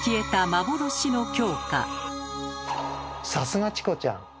さすがチコちゃん！